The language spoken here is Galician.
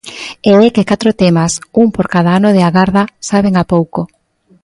E é que catro temas, un por cada ano de agarda, saben a pouco.